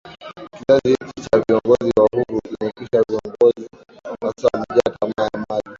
Kizazi hiki cha viongozi wa Uhuru kimekwisha Viongozi wa sasa wamejaa tamaa ya mali